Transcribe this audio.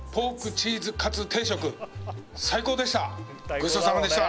ごちそうさまでした